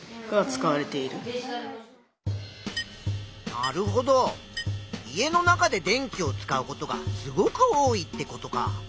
なるほど家の中で電気を使うことがすごく多いってことか。